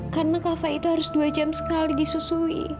karena kak fah itu harus dua jam sekali disusui